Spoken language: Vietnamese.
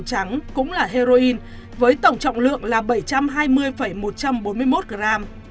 trắng với tổng trọng lượng là bảy trăm hai mươi một trăm bốn mươi một gram